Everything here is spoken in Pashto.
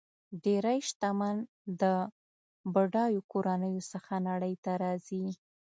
ډېری شتمن د بډایو کورنیو څخه نړۍ ته راځي.